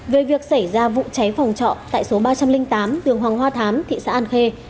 về việc xảy ra vụ cháy phòng trọ tại số ba trăm linh tám đường hoàng hoa thám thị xã an khê